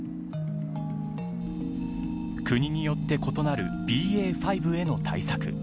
国によって異なるＢＡ．５への対策。